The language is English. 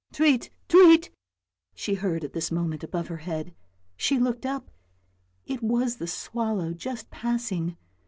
" Tweet, tweet," she heard at this moment above her head. She looked up; it was the swallow just passing.